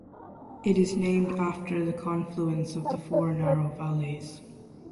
It is named after the confluence of the four narrow valleys.